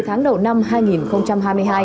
một mươi tháng đầu năm hai nghìn hai mươi hai